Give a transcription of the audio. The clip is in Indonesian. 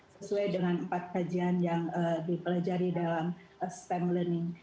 sesuai dengan empat kajian yang dipelajari dalam stem learning